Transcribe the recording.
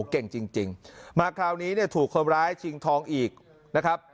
เก่งจริงมาคราวนี้เนี่ยถูกคนร้ายชิงทองอีกนะครับ